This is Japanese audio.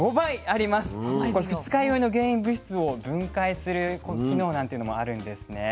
これ「二日酔いの原因物質を分解」する機能なんていうのもあるんですね。